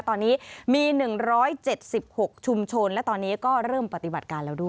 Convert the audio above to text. ตอนนี้มี๑๗๖ชุมชนและตอนนี้ก็เริ่มปฏิบัติการแล้วด้วย